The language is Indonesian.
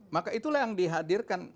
maka itulah yang dihadirkan